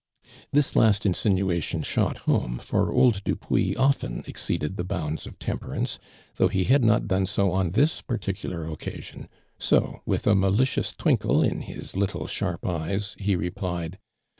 This last insinuation shot homo, for old Dupuis often exceeded the bounds of temperance, though ho had not done so on this particular occasion, so, with a malicious twinkle in his little sharp oyos, he replied : 14 ARMAND DURAND.